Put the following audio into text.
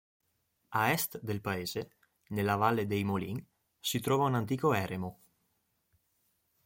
A est del paese, nella valle dei Molin, si trova un antico eremo.